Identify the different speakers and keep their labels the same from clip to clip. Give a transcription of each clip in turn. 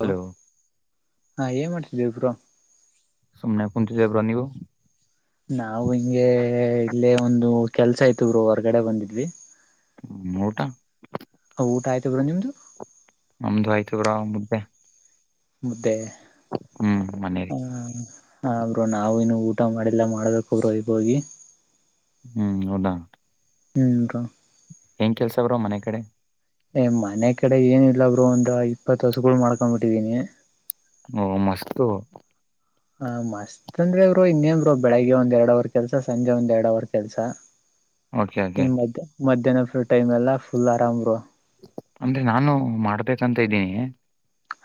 Speaker 1: Hello ಹಾ ಏನ್ ಮಾಡ್ತಿದ್ದೀವಿ ಬ್ರೋ.
Speaker 2: ಸುಮ್ನೆ ಕುಂತಿದ್ದೀವಿ ಬ್ರೋ ನೀವು.
Speaker 1: ನಾವು ಹಿಂಗೆ ಇಲ್ಲೇ ಒಂದು ಕೆಲ್ಸ ಇತ್ತು ಬ್ರೋ ಹೊರ್ಗಡೆ ಬಂದಿದ್ವಿ.
Speaker 2: ಹ್ಮ್ ಊಟ.
Speaker 1: ಊಟ ಆಯ್ತು ಬ್ರೋ ನಿಮ್ದು.
Speaker 2: ನಮ್ದು ಆಯ್ತು ಬ್ರೋ ಮುದ್ದೆ.
Speaker 1: ಮುದ್ದೆ
Speaker 2: ಹ್ಮ್ ಮನೇಲಿ
Speaker 1: ಹಾ ಬ್ರೋ ನಾವು ಇನ್ನು ಊಟ್ ಟ ಮಾಡಿಲ್ಲ ಮಾಡ್ಬೇಕು ಬ್ರೋ ಈಗೋಗಿ.
Speaker 2: ಹ್ಮ್ ಹೌದಾ.
Speaker 1: ಹ್ಞ ರ
Speaker 2: ಹೆಂಗ್ ಕೆಲ್ಸವ್ರರು ಮನೆ ಕಡೆ
Speaker 1: ಏ ಮನೆ ಕಡೆ ಏನು ಇಲ್ಲ ಬ್ರರು ಒಂದ ಇಪ್ಪತ್ ವರ್ಷಗಳು ಮಾಡ್ಕೊ್ಬಿಟ್ಟಿದೀನಿ
Speaker 2: ಓ ಮಸ್ತ
Speaker 1: ಹ ಮತ್ ಅಂದ್ರೆ ಇರು ಇನ್ನೇನ್ರು ಬೆಳಿಗ್ಗೆ ಒಂದ್ ಎರಡ್ ಅವರ್ ಕೆಲ್ಸ ಸಂಜೆ ಒಂದ್ ಎರಡ್ ಅವರ್ ಕೆಲ್ಸ
Speaker 2: ಓಕೆ ಓಕೆ
Speaker 1: ಇನ್ ಮ ಮಧ್ಯಾಹ್ನರು ಟೈಮ್ ಎಲ್ಲಾ ಫುಲ್ ಆರಾಮ್ರು
Speaker 2: ಅಂದ್ರೆ ನಾನು ಮಾಡ್ಬೇಕಂತ ಇದ್ದೀನಿ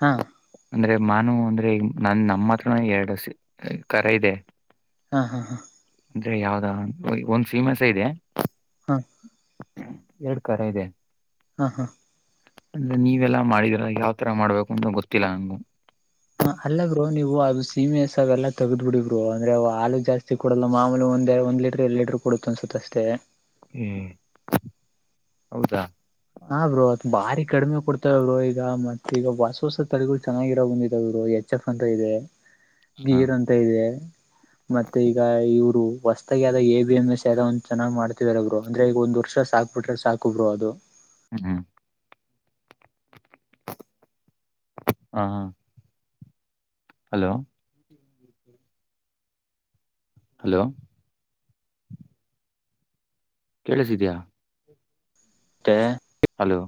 Speaker 1: ಹಾ
Speaker 2: ಅಂದ್ರೆ ಮಾನವ ಅಂದ್ರೆ ನ ನಮ್ಮ ಹತ್ರನ ಎರಡು ಕರ ಇದೆ
Speaker 1: ಹಾ ಹಾ ಹಾ
Speaker 2: ಅಂದ್ರೆ ಯಾವ್ದ ಒಂದ್ ಫೀಮಸ್ ಇದೆ
Speaker 1: ಹಾ
Speaker 2: ಎರಡ್ ಕರ ಇದೆ
Speaker 1: ಹಾ ಹಾ
Speaker 2: ಅಂದ್ರೆ ನೀವೆಲ್ಲಾ ಮಾಡಿದರ ಯಾವ ತರ ಮಾಡ್ಬೇಕು ಅಂತ ಗೊತ್ತಿಲ್ಲ ನಂಗು
Speaker 1: ಹ ಅಲ್ಲ ಗರು ನೀವು ಅದು ಸೀಮೆಸ ಎಲ್ಲ ತಗ್ದ್ ಬಿಡಿಗ್ರು ಅಂದ್ರೆ ಹಾಲು ಜಾಸ್ತಿ ಕೊೂಡಲ್ಲ ಮಾಮೂಲು ಒಂದ ಎ ಒಂದ ಲೀಟರ್ ಎರಡ್ ಲೀಟರ್ ಕೊಡು ಅನ್ಸುತ್ತ ಅಷ್ಟೇ
Speaker 2: ಹ್ಮ್ ಹೌದಾ
Speaker 1: ಹಾ ಬರು ಅತ್ ಬಾರಿ ಕಡಿಮೆ ಕೊಡ್ತಾವ ಅವರು ಈಗ ಮತ್ ಈಗ ಹೊಸ ಹೊಸ ತಡೆಗಳು ಚೆನ್ನಾಗಿರೋ ಬಂದಿದಾವರು ಎಚ್ ಎಫ್ ಅಂತ ಇದೆ
Speaker 2: ಹ
Speaker 1: ಗೀರ್ ಅಂತ ಇದೆ ಮತ್ತೆ ಈಗ ಹೊಸ್ದಾಗಾವ ಎ ಬಿ ಎಂ ಎಸ್ ಯಾವ ಒ್ ಚನ್ನಾಗಿ ಮಾಡ್ತತಿವರರು ಅ್ರ ಈಗ ಒಂದ್ ವರ್ಷ ಸಾಕಕ್ ಬಿಟ್ರೆ ಸಾಕುಬ್ರು ಅದು
Speaker 2: ಹ್ಮ ಹಾ ಹ ಹಲೋ ಹಲೋ ಕೇಳಿಸಿದ್ಯಾ
Speaker 1: ಹ
Speaker 2: ಹಲೋ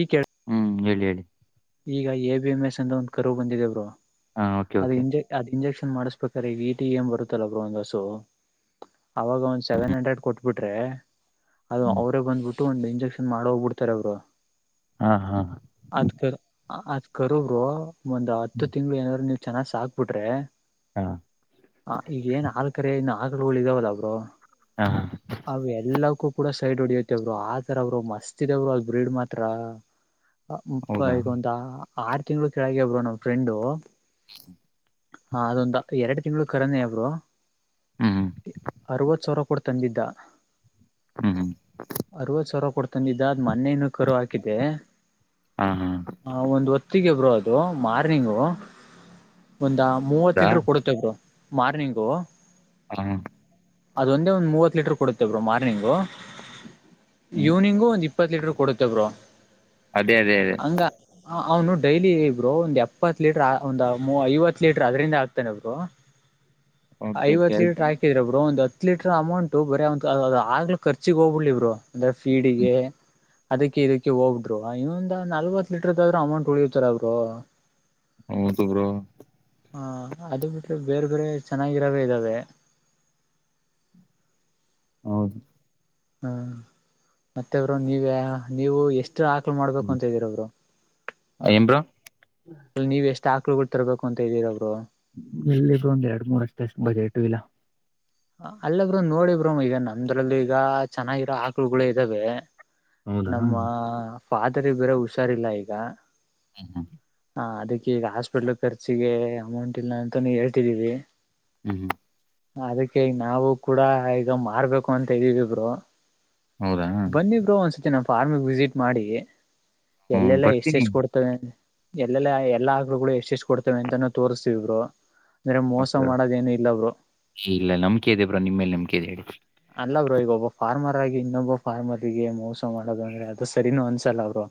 Speaker 1: ಈ ಕ
Speaker 2: ಹ್ಮ್ ಹೇಳಿ ಹೇಳಿ
Speaker 1: ಈಗ ಎ ಬಿ ಎಂ ಎಸ್ ಅಂದ ಒಂದ್ ಕರು ಬಂದಿದೆವರು
Speaker 2: ಹ ಓಕೆ
Speaker 1: ಅದ
Speaker 2: ಓಕೆ
Speaker 1: ಇಂಜೆ ಅದ್ ಇಂಜೆಕ್ಷನ್ ಮಾಡಸ್್ಬೇಕ್ರ ಈಗ ಈಟಿ ಏನ್ ಬರುತ್ತಲ್ಲ ಬ್ರ ಒಂದಸು ಅವಾಗ ಒಂದ್ ಸೆವೆನ್ ಹಂಡ್ರೆಡ್ ಕೊಟ್ಬಿಟ್ರೆ ಅದು
Speaker 2: ಹ್ಮ್
Speaker 1: ಅವರೇ ಬಂದ್ಬಿಟ್ಟು ಒಂದು ಇಂಜೆಕ್ಷನ್ ಮಾಡೋಗ್ಬ ಬಿಡ್ತಾರೆ ಅವರು
Speaker 2: ಹಾ ಹಾ
Speaker 1: ಅದ್ ಕರ್ ಅದ್ ಕರರು ಒಂದ್ ಹತ್ತು ತಿಂಗ್ಳ ಏನಾದ್ರು ನೀವ್ ಚೆನ್ನಾಗ್ ಸಾಕ್ಬಿಟ್ರಿ
Speaker 2: ಹಾ
Speaker 1: ಹ ಈಗ ಏನ್ ಹಾಲ್ ಕರೆ ಇನ್ನು ಆಕಲು ಹುಳ ಇದಾವದಬ್ರು
Speaker 2: ಹಾ
Speaker 1: ಅವ ಎಲ್ಲಕ್ಕೂ ಕೂಡ ಸೈಡ್ ಹೊಡಿಯತಿವರು ಆತರ ಅವರು ಮಸ್ತ್ ಇದವರು ಅದ ಬ್ರೀಡ್ ಮಾತ್ರ
Speaker 2: ಹೌದಾ
Speaker 1: ಈಗ ಒಂದ ಆರು ತಿಂಗಳು ಕೆಳಗೆಬರು ನ್ ಫ್ರೆಂಡು ಹ ಅದೊಂದು ಎರಡು ತಿಂಗಳು ಕರನೇ ಅವರು
Speaker 2: ಹ್ಮ್ ಹ್ಮ್
Speaker 1: ಅರವತ್ ಸಾವಿರ ಕೊಡ್ ತಂದಿದ್ದ
Speaker 2: ಹ್ಮ್ ಹ್ಮ್
Speaker 1: ಅರವತ್ತು ಸಾವಿರ ಕೊಡ್ ೊಂದು ಇದಾದ ಮೊನ್ನೆಯನ್ನು ಕರು ಹಾಕಿದೆ
Speaker 2: ಹಾ ಹಾ
Speaker 1: ಆ ಒಂದು ಒತ್ತು ಹೊತ್ತಿಗೆ ಬರು ಅದು ಮಾರ್ನಿಂಗ್ ಒಂದ
Speaker 2: ಹೌದಾ
Speaker 1: ಮೂವತ್ತಲ್ರು ಕೊಡುತ್ತೆ ಬರು ಮಾರ್ನಿಂಗು
Speaker 2: ಹ
Speaker 1: ಅದೊಂದೇ ಒಂದ್ ಮೂವತ್ ಲೀಟರ್ ಕೊಡುತ್ತೇ ಬರು ಮಾರ್ನಿಂಗು ಇವ್ನಿಂಗು ಒಂದ್ ಇಪ್ಪತ್ತು ಲೀಟರ್ ಕೊಡುತ್ತ ಬರು
Speaker 2: ಅದೇ ಅದೇ ಅದೇ
Speaker 1: ಹಂಗ ಅವನು ಡೈಲಿ ಇಬ್ರು ಒಂದು್ ಎಪ್ಪತ್ತು ಲೀಟರ್ ಒಂದು ಐವತ್ತು ಲೀಟರ್ ಅದರಿಂದ ಆಾಕ್ತಾನ ಒಬ್ರು
Speaker 2: ಓಕೆ
Speaker 1: ಐವತ್ತು
Speaker 2: ಕೇಳ್ತ
Speaker 1: ಲೀಟರ್ ಹಾಕಿದ್ರ ಒಬ್ರು ಒಂದು ಹತ್ತು ಹ ಲೀಟರ್ ಅಮೌಂಟು ಬರ ಆಗ್ಲು ಖರ್ಚಿಗೆ ಹೋಗ್ಬಿಡ್ಲಿ ಇವರು ಅಂದ್ರೆ ಫೀಡಿಗೆ ಅದಕ್ಕೆ ಇದಕ್ಕೆ ಹೋಗಿದ್ರು ಇನ್ನೊಂದ ನಲ್ವತ್ ಲೀಟರ್ದ ಆದ್ರರು ಅಮೌಂಟ್ ಉಳಿಯತಾರ ಅವರು
Speaker 2: ಹೌದ ಬ್ರೋ
Speaker 1: ಹಾ ಅದು ಬಿಟ್ರೆ ಬೇರೆ ಬೇರೆ ಚೆನ್ನಾಗಿರಾವೇ ಇದ್ದಾವೆ [inaudible]
Speaker 2: ಹೌದು
Speaker 1: ಹ್ಮ ಮತ್ತೆಬ್ರು ನೀವ ನೀವು ಎಷ್ಟು ಇಷ್ಟ ಆಕಲ್ ಮಾಡ್ಬೇಕು
Speaker 2: ಹ್ಮ್
Speaker 1: ಅಂತಿದೀರಬ್ರೋ
Speaker 2: ಏನ್ ಬ್ರೋ
Speaker 1: ಅ ನೀವು ಎಷ್ಟು ಆಕಳುಗಳು ತರಬೇಕು ಅಂತ ಇದ್ದೀರ ಅವರು
Speaker 2: ಎಲ್ಲಿಗೂ ಒಂದ್ ಎರಡ್ ಮೂರ್ಷ್ಟ ಅಷ್ಟು ಬಜೆಟು ಇಲ್ಲ
Speaker 1: ಅಲ್ಲ ಬ್ರೋ ನೋಡಿಬ್ರರು ಈಗ ನಮ್ದ್ರಲ್ಲಿ ಈಗ ಚೆನ್ನಾಗಿರೋ ಆಕ್ಳಗಳಗಳು ಇದ್ದಾವೆ
Speaker 2: ಹೌದಾ ಹ್ಮ್
Speaker 1: ನಮ್ಮ ಫಾದರ್ ಬೇರ ಹುಷಾರಿಲ್ಲ ಈಗ
Speaker 2: ಹಾ ಹಾ
Speaker 1: ಹ ಅದಕ್ಕೆ ಈಗ ಹಾಸ್ಪಿಟ್ಲ್ ಖರ್ಚಿಗೆ ಅಮೌಂಟ್ ಇಲ್ಲ ಅಂತಾನ ಹೇಳ್ತಿದೀವಿ
Speaker 2: [inaudible]
Speaker 1: ಅದಕ್ಕೆ ಈ ನಾವು ಕೂಡ ಈಗ ಮಾರ್ಬೇಕು ಅಂತ ಇದ್ದಿವವಿ ಬ್ರೋ
Speaker 2: ಹೌದಾ
Speaker 1: ಬಂದಿಬ್ರು ಒಂದ್ಸತಿ ನಮ್ಮ ಫಾರ್ಮಗೆ ವಿಸಿಟ್ ಮಾಡಿ
Speaker 2: ಹ್ಮ್
Speaker 1: ಎಲ್ಲೆಲ್ಲಾ ಎಷ್ಟು
Speaker 2: ಬರ್ತೀನಿ
Speaker 1: ಎಷ್ಟು ಕೊಡ್ತದೆ ಎಲ್ಲೆಲ್ಲಾ ಎಲ್ಲಾ ಆಕಳುಗಳು ಎಷ್ಟ್ ಎಷ್ಟು ಕೊಡ್ತವೆ ಅಂತಾನೂ ತೋರ್ಸ್ತವಿಬ್ರೋ ಇದರಾಗ್ ಮೋಸ
Speaker 2: ಓಕೆ.
Speaker 1: ಮಾಡದ ಏನು ಇಲ್ಲವರು
Speaker 2: ಇಲ್ಲ ನಂಬಿಕೆ ಇದೆ ಬ್ರೋ ನಿಮ್ಮ ಮೇಲೆ ನಂಬಿಕೆ ಇದೆ ಹೇಳಿ
Speaker 1: ಅಲ್ಲ ಬ್ರೋ ಈವಗ ಒಬ್ಬ ಫಾರ್ಮರ್ ಾಗಿ ಇನ್ನೊಬ್ಬ ಫಾರ್ಮರ್ರಿಗೆ ಮೋಸ ಮಾಡೋದು ಅಂದ್ರೆ ಅದು ಸರಿನೂ ಅನ್ಸಲ್ಲ ಅವ್ರು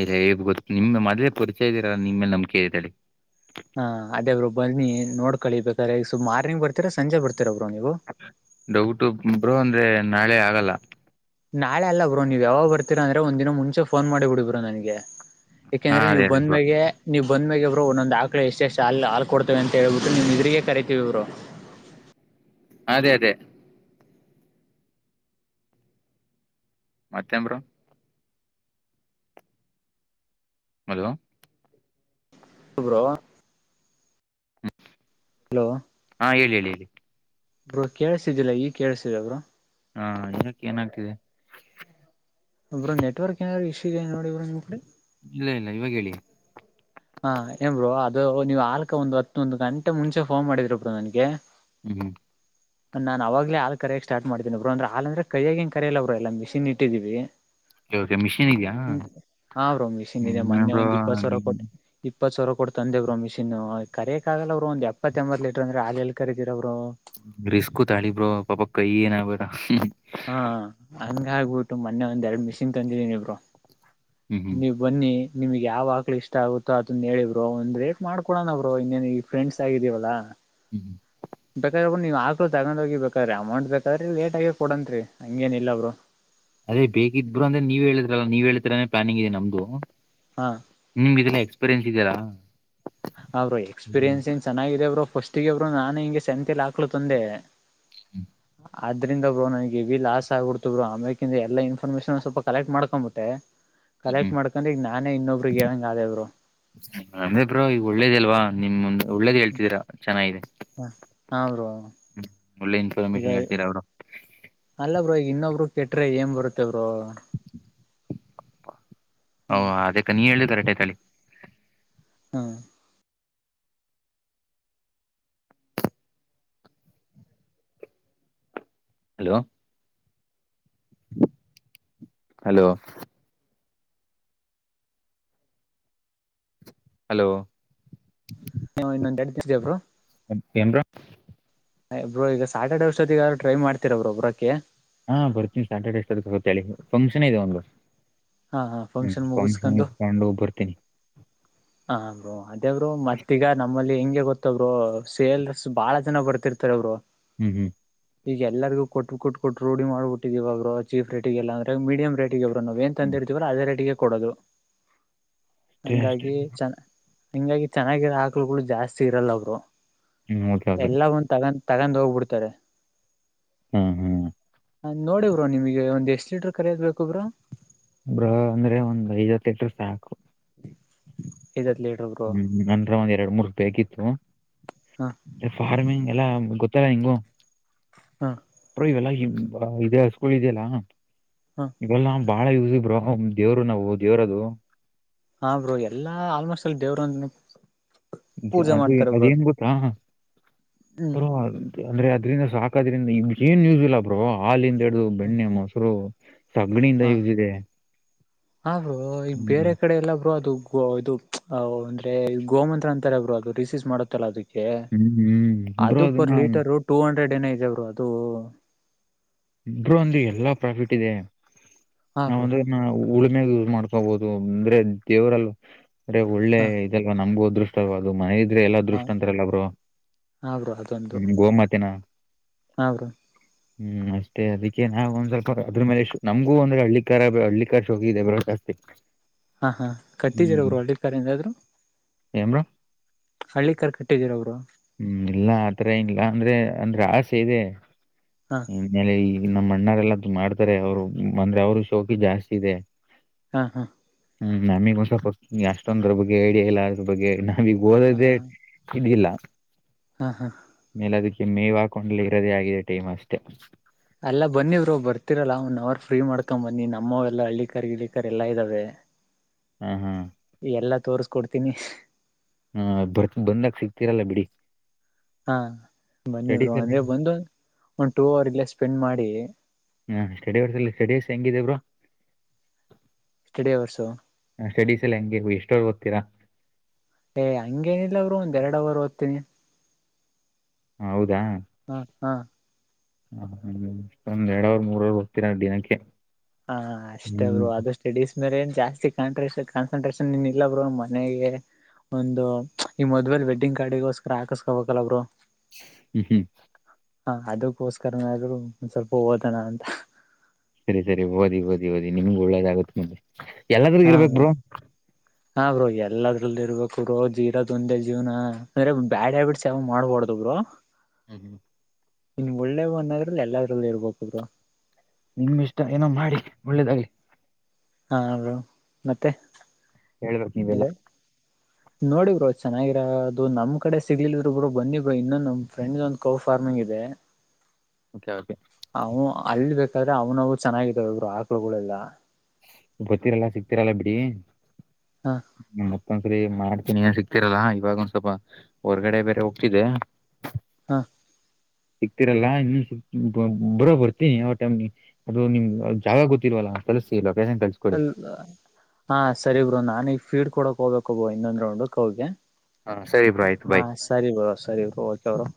Speaker 2: ಇಲ್ಲ ಈಗ ಗೊತ್ತು ನಿಮ್ಮ ಮೊದ್ೇ ಪರಿಚಯ ಇದೀರ ನಿಮ್ಮೇಲ್ ನಂಬಿಕೆ ಇದಲ್ಲಿ
Speaker 1: ಹಾ ಅದೇ ಬ್ರೋ ಬನ್ನಿ ನೋಡ್ ಕಳಿಬೇಕಾದ್ರ ಈಗ ಸ ಮಾರ್ನಿಂಗ್ ಬರ್ತೀರ ಸಂಜೆ ಬರ್ತರ ಒಬ್ರು
Speaker 2: ದೌಡ್ಟ್ಟು ಬ್ರೋ ಅಂದ್ರೆ ನಾಳೆ ಆಗಲ್ಲ
Speaker 1: ನಾಳೆ ಅಲ್ಲ ಬ್ರೋ ನೀವು ಯಾವಾಗ ಬರ್ತೀರಾ ಅಂದ್ರೆ ಒಂದ ದಿನ ಮುಂಚೆ ಫೋನ್ ಮಾಡಿಬ ಬಿಡಿ ಬ್ರೋ ನನಗೆ
Speaker 2: ಹಾ
Speaker 1: ಯಾಕೆಂದ್ರೆ
Speaker 2: ಅದೇ
Speaker 1: ನೀವು್
Speaker 2: ಅದೇ ಬ್ರೋ
Speaker 1: ಬಂದ್ಮ್ಯೆ ನೀವು ಬಂದ ಮೇಾಗ ಬ್ರೋ ಒಂದೊಂದು ಆಾಳಡೆ ಎಷ್ಟು ಹಾ ಹಾಲು ಕೊಡ್ತವೆ ಅಂತ ಹೇಳ್ಬಿಟ್ಟು ನೀವು ಇದ್ರರಿಗೆ ಕರಿತೀವಿ ಇರು [inaudible]
Speaker 2: ಅದೇ ಅದೇ ಮತ್ತೆನಾ ಬ್ರೋ ಹಲೋ
Speaker 1: ಬ್ರೋ ಹಲೋ
Speaker 2: ಹಾ ಹೇಳಿ ಹೇಳಿ ಹೇಳಿ
Speaker 1: ಬ್ರೋ ಕೇಳಸಿದಿಲ್ಲ ಈ ಕೇಳಸಿದ್ರರು
Speaker 2: ಹಾ ಇದಕ್ಕೆ ಏನಾಗ್ತಿದೆ
Speaker 1: ಬ್ರೋ ನೆಟ್ವರ್ಕ್ ಏನಾರರು ಇಶ್ ಇದೆ ನೋಡಿ ಬ್ರೋ ನಿಮ್ ಕಡೆ
Speaker 2: ಇಲ್ಲ ಇಲ್ಲ ಇವಾಗ ಹೇಳಿ
Speaker 1: ಹಾ ಏನ್ರು ಅದು ನೀವು್ ಅಲ್ಕ ಒಂದು ಹತ್ತುೊಂದು ಗಂಟೆ ಮುಂಚೆ ಫೋನ್ ಮಾಡಿದ್ರರು ಬ್ರ ನನ್ಗೆ
Speaker 2: [inaudible]
Speaker 1: ನಾನ್ ಅವಾಗಲೇ ಹಾ ಕರಯಾಗ ಸ್ಟಾರ್ಟ ಮಾಡತೀನಿ ಬ್ರರು ಅ್ರ ಹಾ ಅಂದ್ರೆ ಕಯಾಗ ಂಗ ಕಯಲ್ಲ ಬ್ರರು ಎಲ್ಲ ಮಿಷನ್ ಇಟ್ಟಿದೀವಿ
Speaker 2: ಓಕೆ ಮಿಷಿನ್ ಇದೆಯಾ
Speaker 1: ಹಾ ಬ್ರೋ ಮಿಸಿನಯಿದೆ
Speaker 2: ಹ್ಮ
Speaker 1: ಮೊನ್ನೆ
Speaker 2: ಬ್ರೋ
Speaker 1: ಒಂದ್ ಇಪ್ಪತ್ತು ಸಾವಿರ ಕೊಟ್ಟ ಇಪ್ಪತ್ತು ಸಾವಿರ ಕೊಡ ತಂದೆವರು ಮಿಸಿನ್ ಕರಿಕ ಆಾಗಲ್ಲ ಅವರುಬ್ರೋ ಎಪ್ಪತ್ತ ಎಂಬತ್ ಲೀಟರ್ ಅಂದ್ರೆ ಹಾಲ ಎ ಕರೀರು
Speaker 2: ರಿಸ್ಕ್ು ತಾಳಿಬ್ರರು ಪಾಪಕ್ ಕೈ ಏನ ಆಗ್ಬೇಡ
Speaker 1: ಹಾ ಹಂಗ ಆಗ್ಬಿಟ್ಟು ಮೊನ್ನೆ ಒಂದ್ ಎರಡು ಮಿಷಿನ್ ತಂದಿದೀನಿಬ್ರೋ
Speaker 2: ಹ್ಮ್
Speaker 1: ನೀವು ಬನ್ನಿ ನಿಮಗೆ ಯಾವ ಆಕ್ಳ ಇಷ್ಟ ಆಗುತ್ತೋ ಅದನ್ನ ಹೇಳಬರು ಒಂದ್ ರೇಟ್ ಮಾಡ್ಕೊೋಣ ಬರು ಇನ್ನೇನು ಈ ಫ್ರೆಂಡ್ಸ್ ಆಗಿದೀವಲ್ಲಾ
Speaker 2: ಹ್ಮ್
Speaker 1: ಬೇಕಾದ್ರ ಒಬ್ಬರು ನೀವ್ ಆಕ್ಲು ತಗೊಂಡ್ ಹೋಗಿ ಬೇಕಾದ್ರೆ ಅಮೌಂಟ್ ಬೇಕಾದ್ರಿ ಲೇಟ್ ಆಗಿ ಕೊಡಂತ್ರಿ ಹಂಗೇನಿಲ್ಲ ಬ್ರೋ
Speaker 2: ಅದೇ ಬೇಕಿದ್ರು ಅಂದ್ರೆ ನೀವೇ ಹೇಳಿದ್ರಲ್ಲ ನೀವ ಹೇಳ್ತರನೆ ಪಲಾನಿಂಗ್ ಇದೆ ನಮ್ದು
Speaker 1: ಹಾ
Speaker 2: ನಿಮ್ ಇಲ್ಲ ಎಕ್ಸ್ಪೀರಿಯನ್ಸ್ ಇದ್ದೀರಾ
Speaker 1: ಅವರು ಎಕ್ಸ್ಪೀರಿಯೆನ್ಸ್ ಏನ್ ಚೆನ್ನಾಗಾಗಿದೆ ಬ್ರೋ ಫಸ್ಟ್ಗ ಇಂಗೆ ನಾನು ಹಿಂಗೆ ಸಂತಲ್ ಆಕ್ಲು ತಂದೆ
Speaker 2: ಹ್ಮ
Speaker 1: ಅದ್ರಿಂದ ಬ್ರೋ ನನ್ಗೆವಿ ಲಾಸ್ ಆಗ್ಬಿಡ್ತು ಬ್ರೋ ಆಮ್ಯಕಿಂದ ಎಲ್ಲಾ ಇನ್ಫಾರ್ಮೇಶನ್ ಸ್ವಲ್ಪ ಕಲೆಕ್ಟ್ ಮಾಡ್ಕೊಂಬಬಟ್ಟೆ ಕಲೆಕ್ಟ್ ಮಾಡ್ಕೊಂಡೆ ಈಗ ನಾನೇ ಇನ್ನೊಬ್ರಗ್ ಹೇಳಂಗೇಬ್ರು
Speaker 2: ಅಂದ್ರೆ ಬ್ರೋ ಈಗ ಒಳ್ಳೇದ ಅಲ್ವಾ ನಿಮ್ ಮುಂದ್ ಒಳ್ಳೇದ್ ಹೇಳ್ತಿದೀರಾ ಚೆನ್ನಾಗಿದೆ
Speaker 1: ಹಾ ಬ್ರೋ
Speaker 2: ಹ್ಮ ಒಳ್ಳೆ
Speaker 1: ಈಗ
Speaker 2: ಇನ್ಫಾರ್ಮೇಶನ್ ಹೇಳ್ತೀರ ಬ್ರೋ
Speaker 1: ಅಲ್ಲ ಬ್ರೋ ಈಗ ಇನ್ನೊಬ್ರು ಕೆಟ್ರ ಏನ್ ಬರುತ್ತೇ ಬ್ರೋ
Speaker 2: ಹ ಅದಕ್ಕ ನೀ ಹೇಳುದು ಕರೆಟೈತಳಿ
Speaker 1: ಹಾ
Speaker 2: ಹಲೋ ಹಲೋ ಹಲೋ
Speaker 1: ಹ ಇನ್ನೊಂದು ನೆಟ್ ಇದಿಯಾ ಬ್ರೋ
Speaker 2: ಎನ ಬ್ರೋ
Speaker 1: ಬ್ರೋ ಈಗ ಸಾ್ಯಾಟರ್ಡೆ ವಷ್ಟೊತ್ತಗ ಟ್ರೈ ಮಾಡ್ತಿರಬ್್ರರು ಒಬ್ರಕ್ಕೆ
Speaker 2: ಹಾ ಬರ್ತೀನಿ ಸ್ಯಾಟರ್ಡೆ ಎಷ್ಟ ಗತೇಳ ಹೇಳಿ ಫಂಕ್ಷನ್ ಇದೆ ಒಂದು
Speaker 1: ಹಾ ಹಾ
Speaker 2: ಹ್ಮ್
Speaker 1: ಫಂಕ್ಷನ್
Speaker 2: ಕಕೊಂಡು ಹೋಗ ಬರ್ತೀನಿ
Speaker 1: ಹ ಬ್ರೋ ಅದೇ ಬ್ರೋ ಮತ್ತೀಗ ನಮ್ಮಲ್ಲಿ ಇ ಹೆಂಗೆ ಗೊತ್ತ ಬ್ರೋ ಸೇಲ್ಸ್ ಬಹಳ ಜನ ಬರ್ತಿರ್ತಾರ ಅವಬ್ರು
Speaker 2: ಹ್ಮ್ ಹ್ಮ್
Speaker 1: ಈಗ ಎಲ್ಲರಿಗೂ ಕೊಟ್ಟ ಕೊಟ್ಟು ಕೊಟ್ಟ ರೂಡಿ ಮಾಡಿಬಿಟ್ಟಿದ್ವಾಗರು ಚೀಫ ರೇಟಿಗೆ ಎಲ್ಲ ಅ್ರೆೀಡಿಯಂ ರೇಟ್ ನ ಏನ್
Speaker 2: ಹ್ಮ್
Speaker 1: ತಂದ ಇರ್ತೀವ್ರ ಅದೇ ರೇಟಿಗೆ ಕೊಡೋದು
Speaker 2: ಬೆಸ್ಟ್
Speaker 1: ಹಂಗಾಗಿ ಚ ಹಿಂಗಾಗಿ ಚೆನ್ನಾಗಿರೋ ಹಾಕ್ಲ್ಗಳು ಜಾಸ್ತಿ ಇರಲ್ಲ ಬ್ರೋ
Speaker 2: ಹ್ಮ್ ಓಕೆ ಓಕೆ
Speaker 1: ಎಲ್ಲ ಒಂದ ತಗ ತಗೊಂಡ್ ಹೋಗ್ಬಿಡ್ತಾರೆ
Speaker 2: ಹ್ಮ್ ಹ್ಮ್
Speaker 1: ನೋಡಿ ಬ್ರೋ ನಿಮಗೆ ಒಂದ್ ಎಷ್ಟ್ ಲೀಟ್ರ ಕರಯೋಕ ಬೇಕ ಬ್ರೋ
Speaker 2: ಬ್ರೋ ಅಂದ್ರೆ ಒಂದ್ ಐವತ್ತೆಟರು ಸಾಕು
Speaker 1: [unintelligible] ಬ್ರೋ
Speaker 2: ಹ್ಮ್ ನಂದ್ರ ಒಂದ್ ಎರಡ್ ಮೂರ್ೂಪಿಗಿತ್ತು
Speaker 1: ಹ
Speaker 2: ಫಾರ್ಮಿಂಗ್ ಎಲ್ಲ ಗೊ ಇತ್ತಲ್ಲ ಹಿಂಗು
Speaker 1: ಹ
Speaker 2: ಅ ಇವೆಲ್ಲ ಇ ಸ್ಕೂಲ್ ಇದೆಯಲ್ಲ
Speaker 1: ಹ
Speaker 2: ಇವೆಲ್ಲಾ ಬಾಳ ಯೂಸ ಬ್ರೋ ದೇವರು ನಾವು ದೇವ್ರದು
Speaker 1: ಹಾ ಬ್ರೋ ಎಲ್ಲಾ ಆಲ್ಮೋಸ್ಟ್ ಎಲ್ಲಿ ದೇವರು ಒಂದ ಪೂಜೆ
Speaker 2: ಅದೇ
Speaker 1: ಮಾಡ್ತಾರೆ ಬ್ರೋ
Speaker 2: ಅದೇನ್
Speaker 1: ಅದಕ್ಕೆ
Speaker 2: ಗೊತ್ತಾ
Speaker 1: ಹ್ಮ್
Speaker 2: ಬ್ರೋ ಅಂದ್ರೆ ಅದ್ರಿಂದ ಸಾಕದ್ರಿಂದ ಇ ಏನ್ಯೂಸ್ ಇಲ್ಲ ಬ್ರೋ ಹಾಲಿಂದ ಹಿಡ್ದು ಬೆಣ್ಣೆ ಮೊಸರು ಸಗಣಿಯಿಂದ
Speaker 1: ಹಾ
Speaker 2: ಯೂಸ್ ಇದೆ
Speaker 1: ಆದರು ಈ
Speaker 2: ಹ್ಮ್
Speaker 1: ಬೇರೆ ಕಡೆ ಎಲ್ಲ ಬ್ರೋ ಅದು ಗೋ ಇದು್ ಅಂದ್ರೆ ಗೋಮಮೂತ್ರ ಅಂತಾರೆ ಬ್ರೋ ಅದು ರಿಸೀವ್ ಮಾಡತ್ತಲ್ಲ ಅದ
Speaker 2: ಹ್ಮ್ ಹ್ಮ್ ಬ್ರೋ
Speaker 1: ಅದು ಪರ್
Speaker 2: ಅದನ್ನ
Speaker 1: ಲೀಟರ್ ಟೂ ಹಂಡ್ರೆಡ್ ಏನ ಇದೆವರು ಅದು
Speaker 2: ಬ್ರೋ ಒಂದು ಎಲ್ಲಾ ಪ್ರಾಫಿಟ್ ಇದೆ
Speaker 1: ಹಾ
Speaker 2: ನಾವ
Speaker 1: ಬ್ರೋ
Speaker 2: ಒಂದ್ರ ಉಳುಮ್ಯಾಗ ಮಾಡ್ಕೋಬಹುದು ಅಂದ್ರೆ ದೇವ್ರಲ್ಲ ಅಂದ್ರೆ ಒಳ್ಳೆ
Speaker 1: ಹಾ
Speaker 2: ಇದಲ್ವಾ ನಮ್ಗೂ ಅದೃಷ್ಟ ಅದು ಮನೆ ಇದ್ರೆ ಎಲ್ಲ
Speaker 1: ಹಾ
Speaker 2: ದೃಷ್ಟ ಅಂತಾರಲ್ಲ ಬ್ರೋ ಹ್ಮ್ ಗೋಮಾತಿನ
Speaker 1: ಹ್ ಬ್ರೋ
Speaker 2: ಹ್ಮ್ ಅಷ್ಟೇ ಅದಕ್ಕೆ ನಾವು ಒಂದ್ ಸ್ವಲ್ಪ ಅದ್ರ ಮೇಲೆ ನಮಗೂ ವೊಂದ್ ್ರೆ ಹಳ್ಳಿ ಕ ಹಳ್ಳಿ ಕಾರ್ ಶೋಗಿ ಇದೆ ಬ್ರೋ ಜಾಸ್ತಿ
Speaker 1: ಹಾ ಹಾ ಕಟ್ಟಿದರ
Speaker 2: ಹ್ಮ್
Speaker 1: ಬ್ರೋ ಹಳ್ಳಿ ಕಡೆ ಏನಾದ್ರು
Speaker 2: ಏನ್ ಬ್ರೋ ಹ್ಮ್ ಇಲ್ಲ ಆತರ ಏನಿಲ್ಲ ಅಂದ್ರೆ ಅಂದ್ರೆ ಆಸೆ ಇದೆ
Speaker 1: ಹಾ
Speaker 2: ಇಮೇಲೆ ಈ ನಮ್ಮ ಅಣ್ಣಾರೆ ಎಲ್ಲ್ದು ಮಾಡ್ತಾರೆ ಅವ್ರು ಬಂದ್ರೆ ಅವ್ರ ಶೋಕಿ ಜಾಸ್ತಿ ಇದೆ
Speaker 1: ಹಾ ಹಾ
Speaker 2: ಹ್ಮ್ ನಮಿಗ ಒಸಪಷ್ಟೊಂದ್ರ ಬಗ್ ಐಡಿಯಾ ಇಲ್ಲ ಅದ್ರ ಬಗ್ಗೆ ನೀಗ ಓದದೇ ಇದಿಲ್ಲ
Speaker 1: ಹಾ ಹಾ
Speaker 2: ನೀವ್ ಹಾಕೊಂಡ್ ಇರೋದೇ ಆಗಿದೆ ಟೈಮ್ ಅಷ್ಟೇ
Speaker 1: ಅಲ್ಲ ಬನ್ನಿ ಬ್ರೋ ಬರ್ತಿರಲ್ಲಾ ಒನ್ ಅವರ್ ಫ್ರೀ ಮಾಡ್ಕೊಂಡ್ ಬನ್ನಿ ನಮ್ಮ ಎಲ್ಲ ಹಳ್ಳಿಿಕಾರ್ ಗಿಳಿಕಾರ್ ಎಲ್ಲಾ ಇದ್ದಾವೆ
Speaker 2: ಹ ಹಾ
Speaker 1: ಎಲ್ಲಾ ತೋಸ್ಕೊಡ್ತೀನಿ
Speaker 2: ಹಾ ಬರ್ತ್ ಬಂದಾಗ ಸಿಕ್ತರಲ್ಲ ಬಿಡಿ
Speaker 1: ಹಾ ಬನ್ನಿವರು
Speaker 2: ಸ್ಟಡೀಸ್ ಎಲ್ಲ
Speaker 1: ಅಂದ್ರೆ ಬಂದು ಒಂದ ಟೂ ಅವರ್ ಇಲ್ಲ ಸ್ಪೆಂಡ್ ಮಾಡಿ
Speaker 2: ಹಾ ಸ್ಟಡಿ ಬರ್ತಲ್ಲ ಸ್ಟಡಸ್ ಹೆಂಗಿದೇ ಬ್ರೋ
Speaker 1: ಸ್ಟಡಿ ಅವರ್ಸು
Speaker 2: ಸ್ಟಡೀಸ್ ಎಲ್ಲ ಹೆಂಗೆ ಎಷ್ಟೋರ್ ಹೋಗ್ತೀರಾ
Speaker 1: ಏ ಹಂಗೇನಿಲ್ಲ ಬ್ರೋ ಒಂದ್ ಎರಡು ಅವರು ಓದ್ತೀನಿ
Speaker 2: ಹ ಹೌದು
Speaker 1: ಹ್ಮ್ ಹ್ಮ್
Speaker 2: ಹ ಅಷ್ಟೊಂದ್ ಎರಡ್ ಅವರ್ ಮೂರವರ್ ಹೋಗ್ತೀರ ದಿನಕ್ಕೆ
Speaker 1: ಹಾ ಅಷ್ಟ
Speaker 2: ಹ್ಮ್
Speaker 1: ಬ್ರೋ ಅದು ಸ್ಟಡೀಸ್ ಮೇಲೆ ಏನ್ ಜಾಸ್ತಿ ಕಂಟ್ರೆಸನ್ ಕಾಣ ಕಾಂಟ್ರೆಸನ್ ಇಲ್ಲ ಬ್ರೋ ಮನೆಗೆ ಒಂದು ಈ ಮದ್ವೆೇಲ್ ವೆಡ್ಡಿಂಗ್ ಕಾರ್ಡಿಗೋಸ್ಕರ ಹಾಕಸ್ಕೋಬೇಕಲ್ಲ ಬ್ರೋ
Speaker 2: ಹ್ಮ್ ಹ್ಮ್
Speaker 1: ಹಾ ಅದಕ್ಕೋಸ್ಕರನಾದ್ರರು ಒಂದ್ ಸ್ವಲ್ಪ ಓತಣ ಅಂತ
Speaker 2: ಸರಿ ಸರಿ ಓದಿ ಓದಿ ಓದಿ ನಿಮ್ಗು ಒಳ್ಳೇದ ಆಾಗತ್ ಮಂದೆ ಎಲ್ಲಾದ್ರಗ
Speaker 1: ಹ
Speaker 2: ಇರ್ಬೇಕೂ ಬ್ರೋ
Speaker 1: ಹಾ ಬ್ರೋ ಎಲ್ಲದ್ರಲ್ಲಿ ಇರ್ಬೇಕೂ ಬ್ರೋ ಜೀರಾ ದೊಂದೆ ಜೀವನ ಅಂದ್ರೆ ಬ್ಯಾಡ್ ಹ್ಯಾಬಿಟ್ಸ್ ಯಾವ ಮಾಡ್ಬಾರದು ಬ್ರೋ
Speaker 2: ಹ್ಮ ಹ್ಮ
Speaker 1: ನಿನ್ ಒಳ್ಳೇ ಅನ್ನದ್ರಲ್ಲಿ ಎಲ್ಲದ್ರಲ್ಲಿ ಇರ್ಬೇಕು ಬ್ರೋ
Speaker 2: ನಿಮ ಇಷ್ಟ ಏನೋ ಮಾಡಿ ಒಳ್ಳೇದಾಗಲಿ
Speaker 1: ಹಾ ಮತ್ತೆ
Speaker 2: ಹೇಳ್ಬೇಕು ನೀವೆಲ್ಲಾ
Speaker 1: ಬೇರೆ ನೋಡಿ ಬ್ರೋ ಚೆನ್ನಾಗಿರ ಅದು ನಮ್ ಕಡೆ ಸಿಗ್ಲಲ್ಿದರು ಬನ್ನಿ ಬ್ರೋ ಬರು ಇನ್ನ ನಮ್ ಫ್ರಂಡ್ ಒಂದ್ ಕೌಫ ಾರ್್ಮಿಂಗ್ ಇದೆ
Speaker 2: ಕೆ ಓಕೆ
Speaker 1: ಅವ ಅಲ್ಲಿ ಬೇಕಾದ್ರೆ ಅವ್ನವು ಚೆನ್ನಾಗಿದಾವ ಇಬ್ರು ಆಕ್ಳಗಳಗಳುಲ್ಲ
Speaker 2: ಗೊತ್ತರಲ್ಲ ಸಿಗ್ತಿರಲ್ಲ ಬಿಡಿ
Speaker 1: ಹ
Speaker 2: ಮತ್ತೊ ರಿ ಮಾಡ್ತೀನಿ ಏನ್ ಸಿಕ್ತಿರಲ್ಲ ಇವಾಗ ಒಂದ ಸ್ವಲ್ಪ ಹೊರ್ಗಡೆ ಬೇರೆ ಹೋಗ್ತಿದ್ದೆ
Speaker 1: ಹಾ
Speaker 2: ಸಿಕ್ತಿರಲ್ಲ ಇನ್ನು ಸಿ ಬರ ಬರ್ತಿ ಯಾವ ಟೈಮ್ ಅದು ನಿಮ್ ಜಾಗ ಗೊತ್ತಿಿಲ್ಲ ದವ್ಲ ಕಳಸ
Speaker 1: ಅಲ್ಲ ಹ ಸರಿ ಬರು ನಾ ಈಗ ಫೀಡ್ ಕೊಡಕ್ ಹೋಗಬೇಕಬ್ಬೋ ಇನ್ನೊಂದ್ ರೌಂಡ್ ಕ ಅವಗೆ
Speaker 2: ಹಾ ಸರಿ ಬ್ರೋ ಆಯ್ತು ಬಾಯ್.
Speaker 1: ಹಾ ಸರಿ ಬ್ರೋ ಸರಿ ಬ ಓಕೆರು